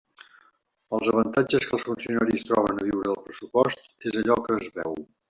Els avantatges que els funcionaris troben a viure del pressupost és allò que es veu.